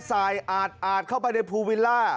สายอาดเข้าไปในภูวิลล่า